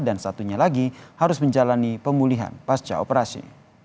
dan satunya lagi harus menjalani pemulihan pasca operasi